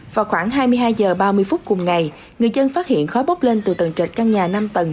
vào khoảng hai mươi hai h ba mươi phút cùng ngày người dân phát hiện khói bốc lên từ tầng trệt căn nhà năm tầng